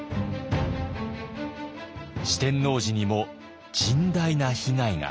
四天王寺にも甚大な被害が。